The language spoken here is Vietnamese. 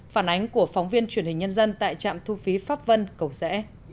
phản ánh của phóng viên truyền hình nhân dân tại trạm thu phí pháp vân cầu rẽ